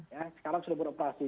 ya sekarang sudah beroperasi